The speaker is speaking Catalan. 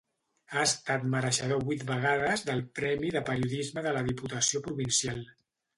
Ha estat mereixedor vuit vegades del premi de Periodisme de la Diputació Provincial.